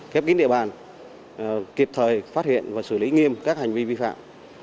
khép kín địa bàn kịp thời phát hiện và xử lý nghiêm các hành vi vi phạm